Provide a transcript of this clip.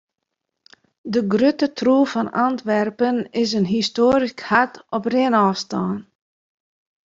De grutte troef fan Antwerpen is in histoarysk hart op rinôfstân.